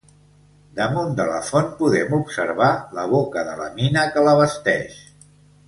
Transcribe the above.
Damunt de la font podem observar la boca de la mina que l'abasteix.